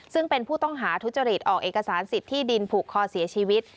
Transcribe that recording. ซึ่งเป็นผู้ต้องหาทุจริตออกเอกสารสิทธิ์ที่ดินผูกคอเสียชีวิต